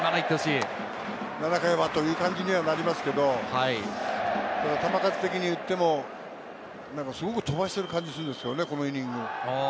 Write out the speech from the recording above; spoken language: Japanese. ７回は、という感じにはなりますけれど、球数的に言ってもすごく飛ばしてる感じがするんですよね、このイニング。